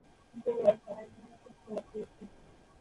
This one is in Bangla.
গোড়ায়, পায়ের জন্য একটি স্লট রয়েছে।